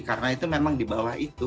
karena itu memang di bawah itu